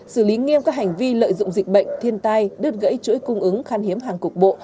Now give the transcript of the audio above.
xử lý nghiêm các hành vi lợi dụng dịch bệnh thiên tai đứt gãy chuỗi cung ứng khan hiếm hàng cục bộ